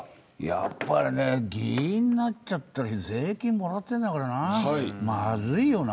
やっぱり議員になっちゃったら税金もらってるからまずいよな。